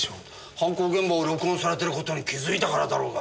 犯行現場を録音されてる事に気づいたからだろうが。